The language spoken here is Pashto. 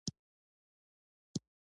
د ژبي پالنه د فرهنګ پالنه ده.